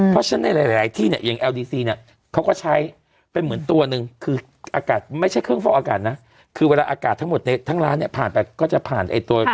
เพราะฉะนั้นในหลายที่เนี่ยอย่างแอลดีซีเนี่ยเขาก็ใช้เป็นเหมือนตัวหนึ่งคืออากาศไม่ใช่เครื่องฟอกอากาศนะคือเวลาอากาศทั้งหมดในทั้งร้านเนี่ยผ่านไปก็จะผ่านไอ้ตัว